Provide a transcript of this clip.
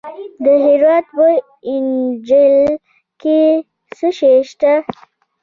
د هرات په انجیل کې څه شی شته؟